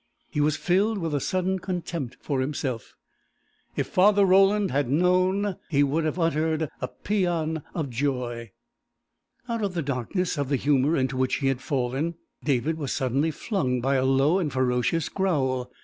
He was filled with a sudden contempt for himself. If Father Roland had known, he would have uttered a paean of joy. Out of the darkness of the humour into which he had fallen, David was suddenly flung by a low and ferocious growl.